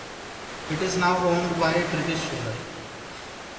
It is now owned by British Sugar.